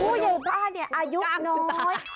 ผู้ใหญ่บ้านเนี่ยอายุน้อย